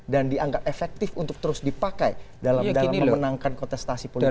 dianggap efektif untuk terus dipakai dalam memenangkan kontestasi politik